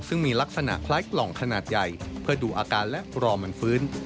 ซึ่งมีลักษณะคล้ายกล่องขนาดใหญ่เพื่อดูอาการและรอมันฟื้น